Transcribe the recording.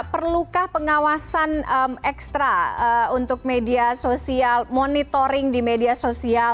perlukah pengawasan ekstra untuk media sosial monitoring di media sosial